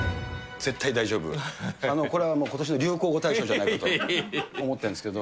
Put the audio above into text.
絶対大丈夫、これはもうことしの流行語大賞じゃないかと思ってるんですけど。